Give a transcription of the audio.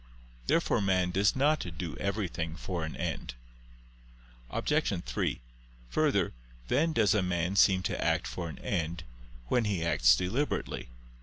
Therefore man does not do everything for an end. Obj. 3: Further, then does a man seem to act for an end, when he acts deliberately.